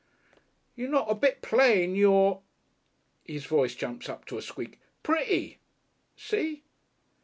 "You're not a bit plain you're" (his voice jumps up to a squeak) "pretty. See?"